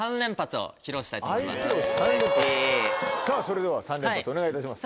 さぁそれでは３連発お願いいたします。